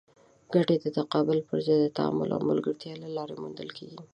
ګټې د تقابل پر ځای د تعامل او ملګرتیا له لارې موندل کېږي.